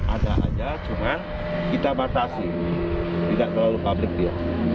ada aja cuma kita batasi tidak terlalu publik dia